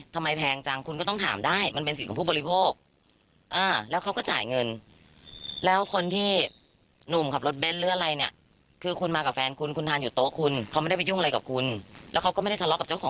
แต่เขาบอกว่าเขายิงแค่๒ยิงป้องกันเฉย